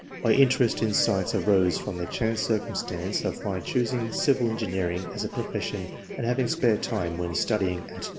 My interest in science arose from the chance cir cumstance of my choosing civil engineering as a profession, and having spare time, when studying at.